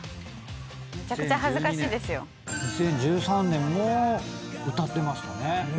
２０１３年も歌ってましたね。